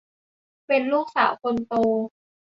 เป็นลูกสาวคนโตของ